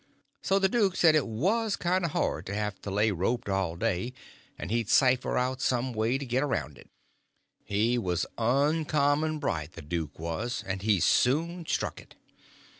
So the duke said it was kind of hard to have to lay roped all day, and he'd cipher out some way to get around it. He was uncommon bright, the duke was, and he soon struck it.